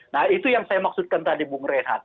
nah itu yang saya maksudkan tadi bung rehat